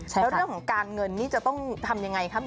แล้วเรื่องของการเงินนี่จะต้องทำยังไงครับ